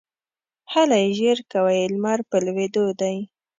هلئ ژر کوئ ! لمر په لوېدو دی